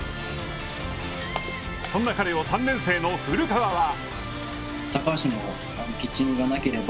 そんな彼を、３年生の古川は。